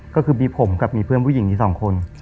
ก็คือมีผมกับมีเพื่อนผู้หญิงมี๒คน